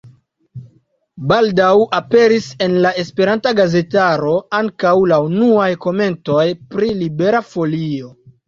Baldaŭ aperis en la esperanta gazetaro ankaŭ la unuaj komentoj pri Libera Folio.